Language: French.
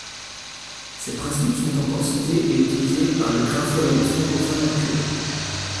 Ces principes sont encore cités et utilisés par les graphologues francophones actuels.